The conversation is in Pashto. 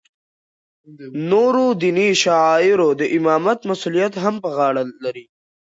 نورو دیني شعایرو د امامت مسولیت هم په غاړه لری.